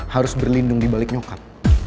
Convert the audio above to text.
harus berlindung dibalik nyokap